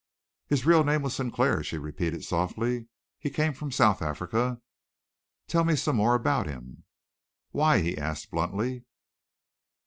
"His real name was Sinclair," she repeated softly. "He came from South Africa. Tell me some more about him?" "Why?" he asked bluntly.